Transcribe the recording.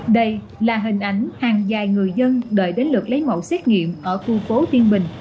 đây là hình ảnh hàng dài người dân đợi đến lượt lấy mẫu xét nghiệm ở khu phố tiên bình